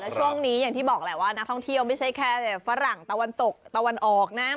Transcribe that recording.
ช่วงนี้อย่างที่บอกแหละว่านักท่องเที่ยวไม่ใช่แค่ฝรั่งตะวันตกตะวันออกนะ